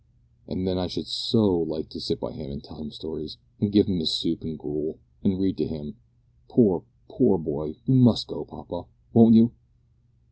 And then I should so like to sit by him and tell him stories, and give him his soup and gruel, and read to him. Poor, poor boy, we must go, papa, won't you?"